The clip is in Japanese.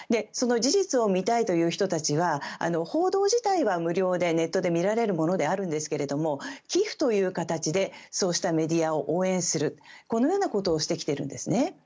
その事実を見たいという人たちは報道自体は無料でネットで見られるんですけれども寄付という形でそうしたメディアを応援するというようなことをしてきているんですね。